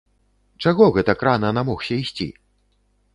Чаго гэтак рана намогся ісці?